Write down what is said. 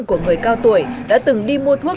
của người cao tuổi đã từng đi mua thuốc